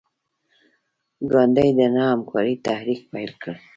ګاندي د نه همکارۍ تحریک پیل کړ.